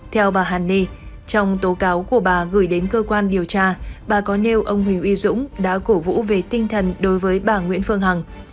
theo bà hàn ni trong tố cáo của bà gửi đến cơ quan điều tra bà có nêu ông huỳnh uy dũng đã cổ vũ về tinh thần đối với bà nguyễn phương hằng